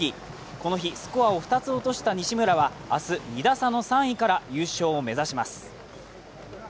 この日、スコアを２つ落とした西村は、明日、２打差の３位から優勝を目指します。